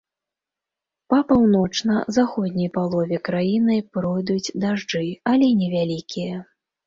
Па паўночна-заходняй палове краіны пройдуць дажджы, але невялікія.